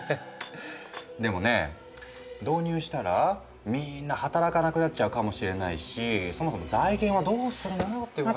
でもね導入したらみんな働かなくなっちゃうかもしれないしそもそも財源はどうするのよって話も。